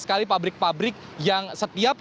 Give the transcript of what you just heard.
sekali pabrik pabrik yang setiap